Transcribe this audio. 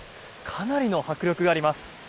かなりの迫力があります。